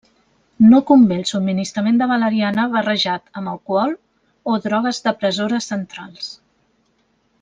No convé el subministrament de valeriana barrejat amb alcohol o drogues depressores centrals.